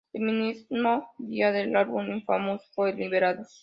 El mismo día el álbum Infamous fue liberado.